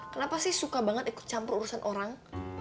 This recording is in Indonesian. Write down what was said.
kenapa sih suka banget ikut campur urusan orang